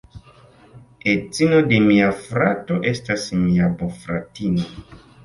Edzino de mia frato estas mia bofratino.